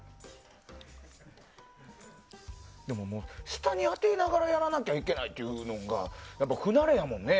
でも、下に当てながらやらなきゃいけないっていうのが不慣れやもんね。